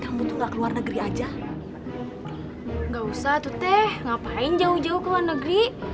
nggak usah tuh teh ngapain jauh jauh ke luar negeri